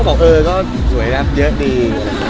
บอกเออก็สวยรับเยอะดี